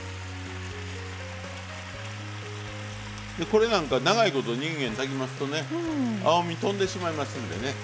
これなんか長いこといんげん炊きますとね青みとんでしまいますんでね